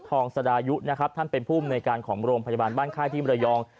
สดายุนะครับท่านเป็นผู้อำนวยการของโรงพยาบาลบ้านค่ายที่มรยอง